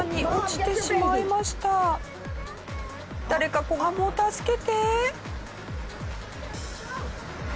誰か子ガモを助けて！